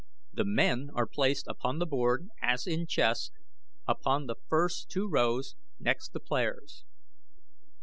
The men are placed upon the board as in chess upon the first two rows next the players.